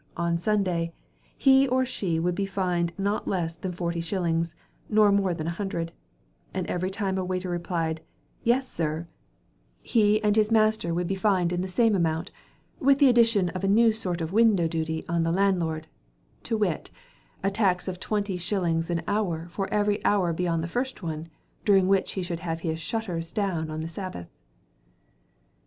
on Sunday, he or she would be fined not less than forty shillings, nor more than a hundred; and every time a waiter replied, 'Yes, Sir,' he and his master would be fined in the same amount: with the addition of a new sort of window duty on the landlord, to wit, a tax of twenty shillings an hour for every hour beyond the first one, during which he should have his shutters down on the Sabbath.